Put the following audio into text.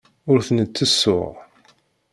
Ur ten-id-ttessuɣ.